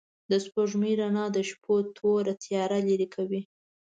د سپوږمۍ رڼا د شپو توره تياره لېرې کوي.